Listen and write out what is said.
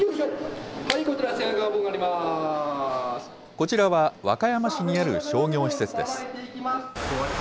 こちらは和歌山市にある商業施設です。